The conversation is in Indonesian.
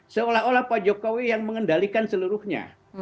seolah olah pak jokowi yang mengendalikan seluruhnya